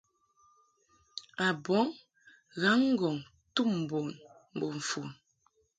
A bɔŋ ghaŋ-ŋgɔŋ tum bun mbo mfon.